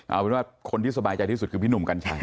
เอาเป็นว่าคนที่สบายใจที่สุดคือพี่หนุ่มกัญชัย